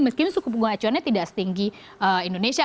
meskipun suku bunga acuannya tidak setinggi indonesia